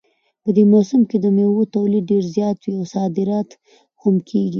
په دې موسم کې د میوو تولید ډېر زیات وي او صادرات هم کیږي